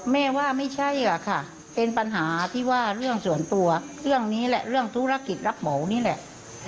แม่ว่าไม่ใช่ค่ะเป็นปัญหาที่ว่าเรื่องส่วนตัวเรื่องนี้แหละเรื่องธุรกิจรับเหมานี่แหละ